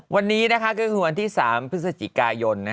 วันนี้ก็คือวันที่๓พฤศจิกายน